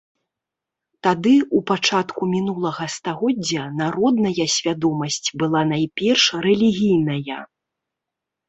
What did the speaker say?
Тады, у пачатку мінулага стагоддзя, народная свядомасць была найперш рэлігійная.